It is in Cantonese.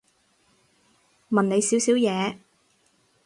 問你少少嘢